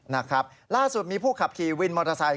นะครับล่าสุดมีผู้ขับขี่วินมอเตอร์ไซค